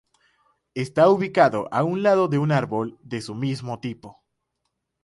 Está ubicado a un lado de un árbol de su mismo tipo.